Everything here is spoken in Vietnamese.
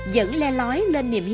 vẫn le lói với những người nông dân này